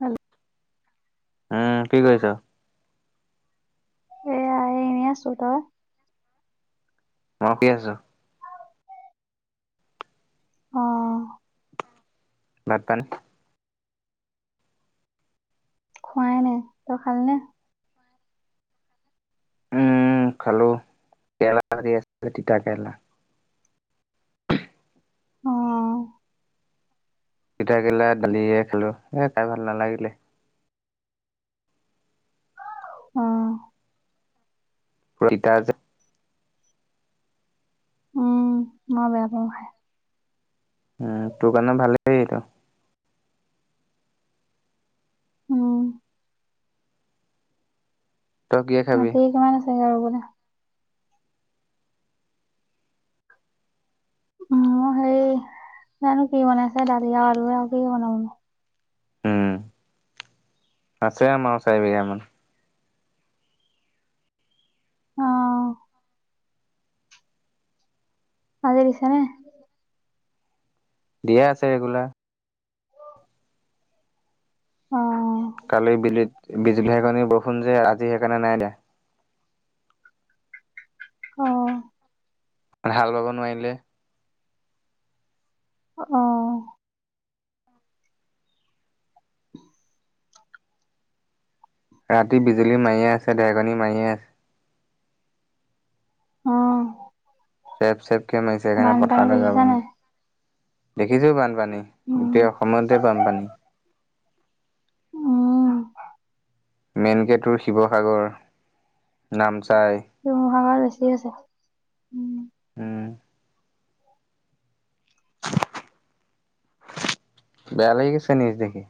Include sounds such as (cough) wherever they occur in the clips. হল উম কি কৰিছা এয়া এই এনেই আছো তই মই শুই আছো অঁহ ভাত পানী খোৱাই নাই তই খালি নে উম খালো কেৰেলা আছিল তিতা কেৰেলা অহ তিতা কেৰেলা দালিয়ে খালো এ খাই ভাল নালাগিলে উম পোৰখ তিতা যে উম মই বেয়া পাওঁ খাই উম তোৰ কাৰণে ভালে এইবিলাক উম তই কিহে খাবি? মাটি কিমান আছে গে ৰুবলে উম সেই জানো কি বনাইছে দালি আৰু আলুৱে হ'ব আৰু নো কি বনাব আৰু উম আছে আমাৰ আৰু চাৰি বিঘা মান অ আজি দিছা নে দিয়ে আছে ৰেগুলাৰ অ কালি বিলুত বিজুলী ঢেৰেকণি বৰষুণ যে আজি সেইকাৰণে নাই দিয়া অ মানে হাল বাব নোৱাৰিলে অ ৰাতি বিজুলী মাৰিয়ে আছে ধেৰকণী মাৰিয়ে আছে অ চেফ চেফ কি মাৰিছে সেইকাৰণে বানপানী পথাৰলে যাব দেখিছা নাই দেখিছো বানপানী উম গোটেই অসমতে বানপানী উম মেনকে তোৰ শিৱসাগৰ নামচাই শিৱসাগৰত বেছি আছে উম বেয়া লাগি গৈছে নিউজ দেখি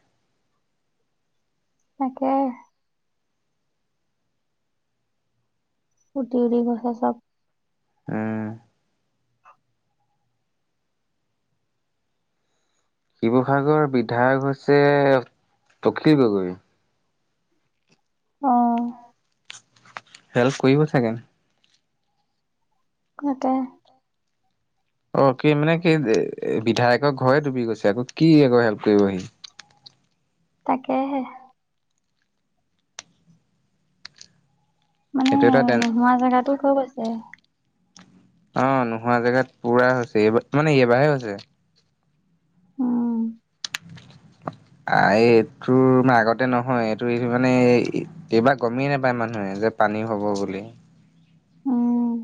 তাকে উটি উটি গৈছে চব উম শিৱসাগৰৰ বিধায়ক হৈছে অখিল গগৈ অঁ হেল্প কৰিব চাগে! তাকে। অ', কি মানে কি বিধায়কৰ ঘৰে ডুবি গৈছে, আকৌ কি আকৌ হেল্প কৰিব সি। তাকেহে। মানে সেইটো এটা টেন নোহোৱা জেগাটোত হৈ গৈছে। অ', নোহোৱা জেগাত পুৰা হৈছে, এইবাৰ মানে এইবাৰাহে হৈছে। উম আ এইটো ম আগতে নহয়, এইটো মানে এইবাৰ গমেই নাপায় মানুহে যে পানী হ'ব বুলি। উম।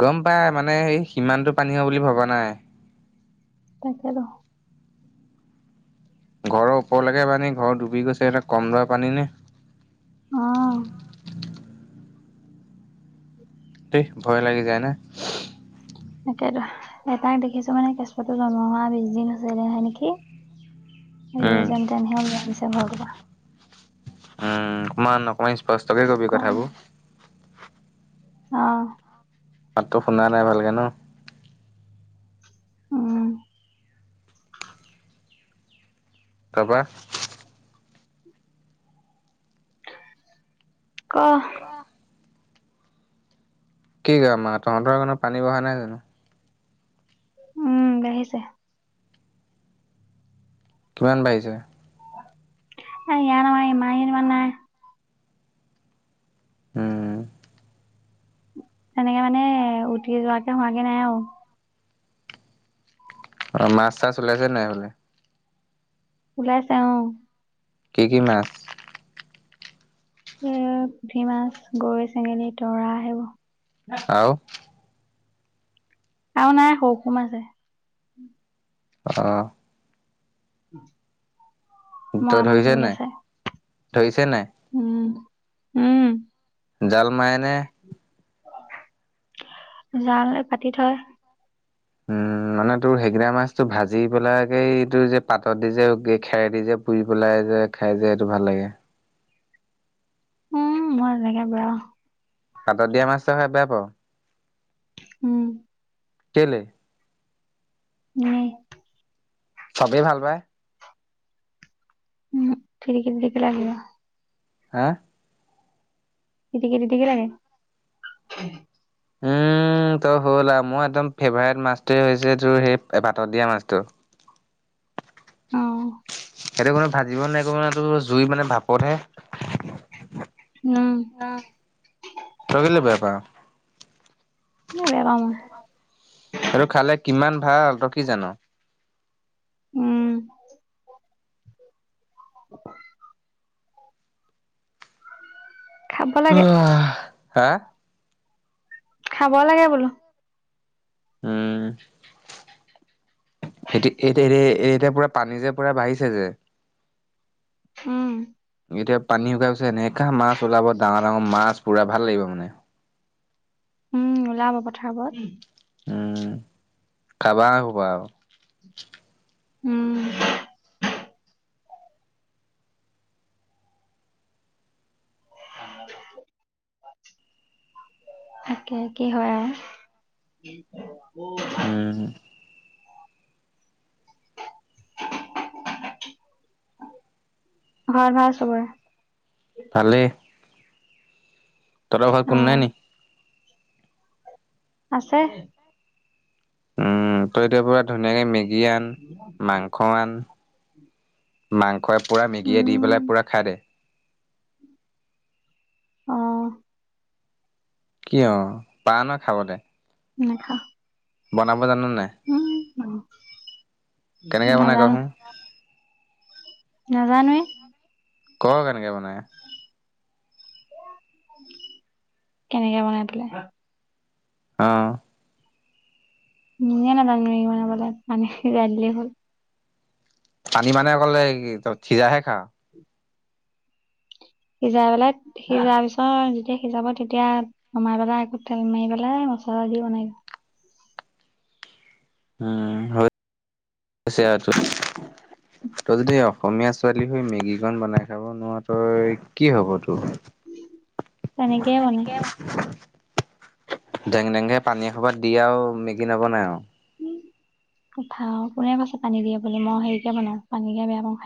গ'ম পাই মানে সেই সিমানটো পানী হ'ব বুলি ভবা নাই। তাকেটো। ঘৰৰ ওপৰলৈকে পানী, ঘৰ ডুবি গৈছে এতিয়া কম দৰা পানী নে। অ'। দে ভয় লাগি যায় ন'! তাকেটো, এতাক দেখিছো মানে কেঁচুৱাটো জন্ম হোৱা বিছদিন হৈছিলেহে নেকি। এই উম যেন তেন হে উওলিয়াই আনিছে ঘৰটোৰ পৰা। উম, অকমান অকমান স্পষ্টকে কবি ক কথাবোৰ। অ'। মাতটো শুনা নাই ভালকে ন'। উম। তাৰপা? ক'? ক'? কি কম আৰু তহঁতৰ সেইপিনে পানী বহা নাই জানো? উম, বাঢ়িছে। কিমান বাঢ়িছে? ইয়াত আমাৰ ইয়াত ইমান নাই। উম। তেনেকে মানে উতি যোৱাকে হোৱাগে নাই আৰু। অ', মাছ-চাছ ওলাইছে নাই সেইফালে? ওলাইছে অ'। কি কি মাছ? এ পুঠি মাছ, গৰৈ, চেঙেলী, তৰা, সেইবোৰ। আৰু? আৰু নাই সৰু সৰু মাছ হে। অ'। (inaudible) ত' মৰা ধৰিছে মাছবোৰ নাই ওলাইছে ধৰিছে নাই? উম। উম জাল মাৰেনে? জাল পাতি এই পাতি থয়। উম, মানে তোৰ সেইগিতা মাছ তোৰ ভাজি পেলাই তোৰ যে পাতত দি যে, খেৰ দি যে পুৰি পেলাই যে খাই যে, সেইটো ভাল লাগে। উম, মই এনেকে বেয়া। পাতত দিয়া মাছটো খাই বেয়া পাওঁ। উম। কেইলে এনে। চবেই ভাল পায়। উম খিৰিকিত দি পেলাই আহে আৰু। হা? (unintelligible) লাগে। উম তোৰ হ'ল আৰু মোৰ একদম ফেভাৰট মাছটোৱে হৈছে তোৰ সেই পাতত দিয়া মাছটো। অ'। সেইটো কোনো ভাজিব হেৰি কৰিব নালাগে, জুই মানে ভাপতহে। উম। তই কেইলে বেয়া পা? এনে বেয়া পাওঁ মই। সেইটো খালে কিমান ভাল তই কি জান? উম। (unintelligible) খাব লাগে হা? খাব লাগে বোলো। উম। সেতি এতি এতিয়া পুৰা পানী যে পুৰা বাঢ়িছে যে উম। এতিয়া পানী শুকাই গৈছে এনেকা মাছ ওলাব ডাঙৰ ডাঙৰ মাছ পুৰা ভাল লাগিব মানে। উম ওলাব পথাৰবোৰত। উম খাবা আৰু শুবা। উম। (inaudible) তাকে, কি হয় আৰু। উম। (unintelligible) ঘৰত ভাল চবৰে। ভালে। তহঁতৰ ঘৰত অ কোনো নাই নেকি? আছে। উম। তই এতিয়া পুৰা ধুনীয়াকৈ মেগী আন মাংস আন। মাংসই পুৰা মেগিয়ে দি উম পেলাই পুৰা খাই দে। অ'। কি অ' পা নহ খাবলে। নেখাওঁ। বনাব জানো নে নাই? কেনেকে বনাই নাজানো কচোন। নাজানোৱে। ক, কেনেকৈ বনাই। কেনেকে বনাই পেলাই অ'। (unintelligible) পানী মানে অকল এই খিৰাহে খাওঁ। সিজাই পেলাই সিজাৰ পিছত যেতিয়া সিজাব, তেতিয়া নমাই পেলাই আকৌ তেল মাৰি পেলাই, মছলা দি বনাই দিওঁ। উম হৈ (unintelligible) তই যদি অসমীয়া ছোৱালী হৈ মেগী কণ বনাই খাব নোৱাৰ তই কি হ'ব তোৰ? তেনেকেই বনাই তেনেকে ডেং ডেং কে পানী এসোপা দি আৰু মেগি নবনাই আৰু। উম। উঠা কোনে কৈছে পানী দিয়ে বুলি। মই হেৰিকে বনাওঁ পানীকে বেয়া পাওঁ।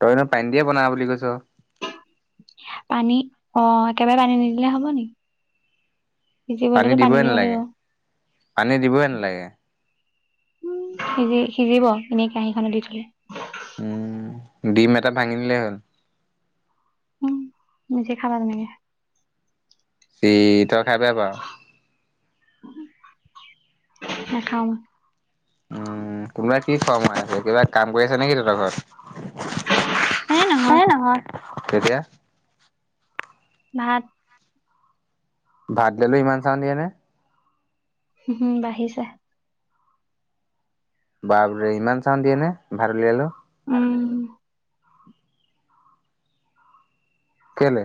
তইনো পানী দিয়ে বনাব বুলি কৈছ। পানী অ' একেবাৰে পানী নিদিলে হ'ব নেকি। সিজিবলৈতো পানী দিবই দিব নালাগে লাগিব। পানী দিবই নালাগে উম। সিজি সিজিব এনেই কাহীখনত দি থলে। উম ডিম এটা ভাঙি দিলেই হ'ল। উম নিজে খাবা তেনেকে। সি তই খাই বেয়া পাওঁ? নেখাও মই। উম। কোনোবা কি খৰ কৰাই আছে। কিবা কাম কৰি আছে নেকি তহঁতৰ ঘৰত? এই নহয়। তেতিয়া ভাত ভাত দিলেও ইমান চাউন দিয়ে নে? উ হুম বাঢ়িছে। বাপৰে ইমান চাওঁন দিয়ে নে ভাত উলিয়ালেও। উম। কেলে?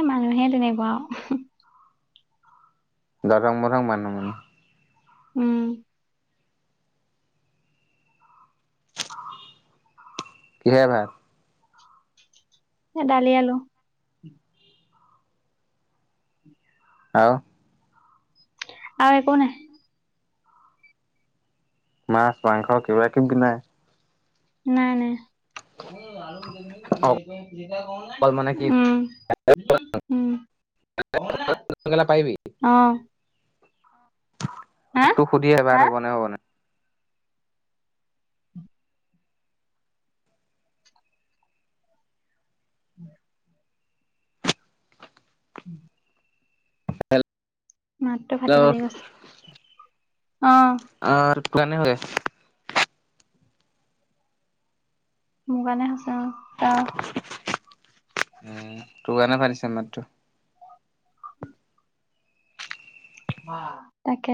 এই মানুহে তেনেকুৱা অ'। যধং মধং মানুহ মানে। উম। কিহে ভাত? এই দালি আলু। আৰু আৰু একো নাই। মাছ মাংস কিবা কিবি নাই? নাই নাই। অকল মানে কি উম উম। (unintelligible) অ'। হা তোক সোধি (unintelligible) (unintelligible) মাতটো ফাটি হেল্ল' ফাটি গৈছে। অ'। অ', (unintelligible) মোৰ কাৰনে হৈছে অ'। অ'। উম, তোৰ কাৰণে ফাটিছে মাতটো। (unintelligible) তাকে।